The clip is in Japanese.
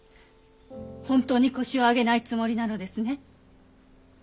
本当に腰を上げないつもりなのですね。